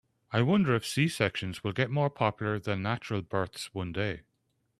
I wonder if C-sections will get more popular than natural births one day.